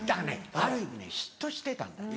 ある意味ね嫉妬してたんだね。